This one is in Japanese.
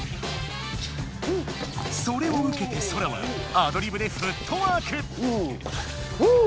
それをうけてソラはアドリブでフットワーク！